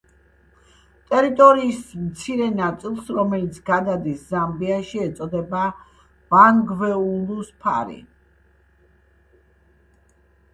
ტერიტორიის მცირე ნაწილს, რომელიც გადადის ზამბიაში, ეწოდება ბანგვეულუს ფარი.